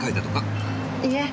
いえ。